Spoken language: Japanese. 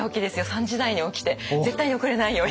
３時台に起きて絶対に遅れないように。